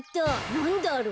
なんだろう？